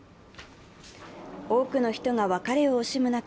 多くの人が別れを惜しむ中